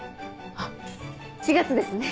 あっ４月ですね。